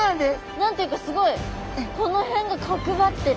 何て言うかすごいこの辺が角張ってる。